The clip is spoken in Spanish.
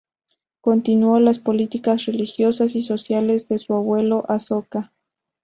Continuó las políticas religiosas y sociales de su abuelo Asoka.